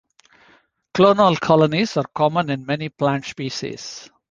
Clonal colonies are common in many plant species.